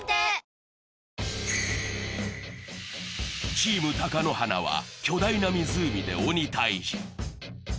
チーム貴乃花は巨大な湖で鬼タイジ。